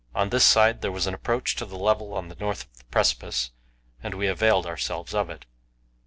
On this side there was an approach to the level on the north of the precipice, and we availed ourselves of it.